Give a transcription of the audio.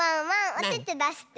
おててだして。